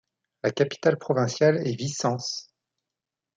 La capitale provinciale est Vicence.